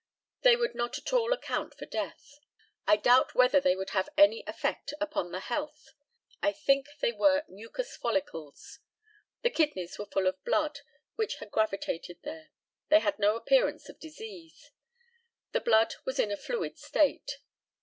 They would not at all account for death. I doubt whether they would have any effect upon the health. I think they were mucous follicles. The kidneys were full of blood, which had gravitated there. They had no appearance of disease. The blood was in a fluid state.